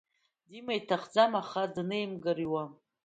Дима иҭахӡам, аха днеимгар иуам.